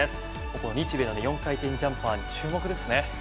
ここ日米の４回転ジャンパーに注目ですね。